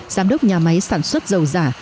giám đốc nhà máy sản xuất dầu giả